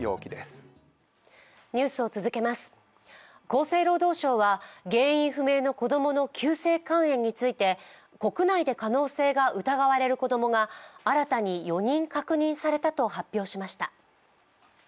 厚生労働省は原因不明の子供の急性肝炎について、国内で可能性が疑われる子供が新たに４人確認されたと発表しました。